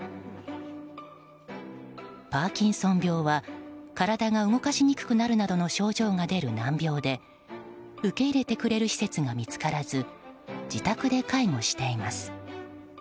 パーキンソン病は体が動かしにくくなるなどの症状が出る難病で受け入れてくれる施設が見つからず自宅で介護しています。